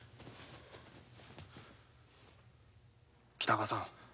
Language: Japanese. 北川さん